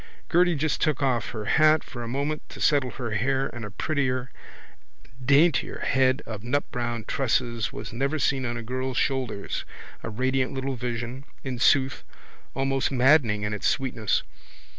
Gerty just took off her hat for a moment to settle her hair and a prettier, a daintier head of nutbrown tresses was never seen on a girl's shoulders—a radiant little vision, in sooth, almost maddening in its sweetness.